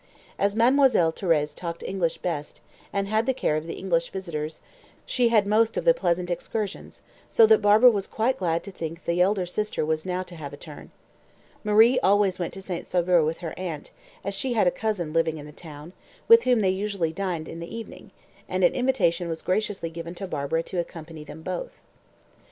As Mademoiselle Thérèse talked English best, and had the care of the English visitors, she had most of the pleasant excursions, so that Barbara was quite glad to think the elder sister was now to have a turn. Marie always went to St. Sauveur with her aunt, as she had a cousin living in the town, with whom they usually dined in the evening; and an invitation was graciously given to Barbara to accompany them both.